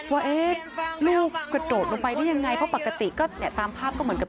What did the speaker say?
ว่าลูกกระโดดลงไปได้ยังไงเพราะปกติก็เนี่ยตามภาพก็เหมือนกับ